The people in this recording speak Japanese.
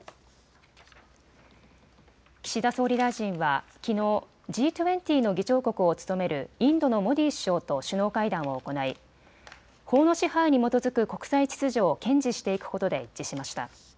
岸田総理大臣はきのうＧ２０の議長国を務めるインドのモディ首相と首脳会談を行い法の支配に基づく国際秩序を堅持していくことで一致しました。